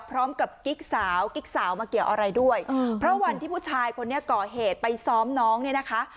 กิ๊กสาวกิ๊กสาวมาเกี่ยวอะไรด้วยเพราะวันที่ผู้ชายคนนี้ก่อเหตุไปซ้อมน้องเนี่ยนะคะ